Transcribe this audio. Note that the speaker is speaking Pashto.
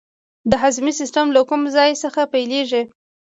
د هاضمې سیستم له کوم ځای څخه پیلیږي